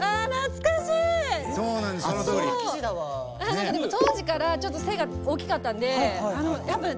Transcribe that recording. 何かでも当時からちょっと背が大きかったんでやっぱね